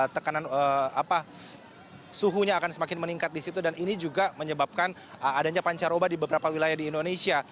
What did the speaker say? tekanan suhunya akan semakin meningkat di situ dan ini juga menyebabkan adanya pancaroba di beberapa wilayah di indonesia